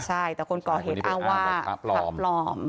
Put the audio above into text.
ใช่แต่คนก่อเหตุอ้างว่าปลอม